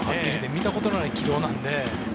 見たことない軌道なので。